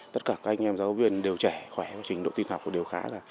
tất cả các anh em giáo viên đều trẻ khỏe trong trình độ tin học đều khá là